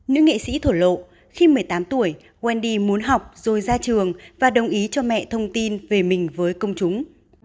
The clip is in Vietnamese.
nữ nghệ sĩ thổ lộ khi một mươi tám tuổi wendy muốn học rồi ra trường và đồng ý cho mẹ thông tin về mình với công chúng